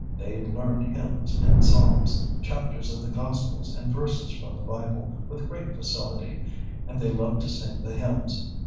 They learn hymns and psalms, chapters of the Gospels, and verses from the Bible with great facility, and they love to sing the hymns.